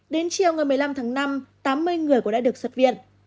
đến chiều ngày một mươi năm tháng năm tám mươi người cũng đã được xuất viện